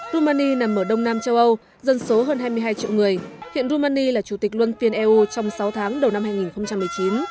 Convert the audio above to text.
romani nằm ở đông nam châu âu dân số hơn hai mươi hai triệu người hiện romani là chủ tịch luân phiên eu trong sáu tháng đầu năm hai nghìn một mươi chín